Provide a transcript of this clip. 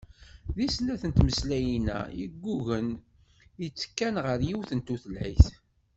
Deg snat n tmeslayin-a yeggugan i ttekkan ɣer yiwet n tutlayt.